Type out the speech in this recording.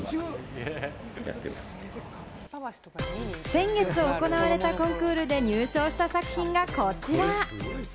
先月行われたコンクールで入賞した作品がこちら。